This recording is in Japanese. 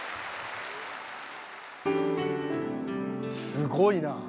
すごいな。